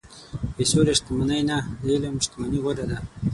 د پیسو له شتمنۍ نه، د علم شتمني غوره ده.